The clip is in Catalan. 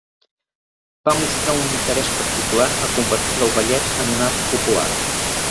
Va mostrar un interès particular a convertir al ballet en un art popular.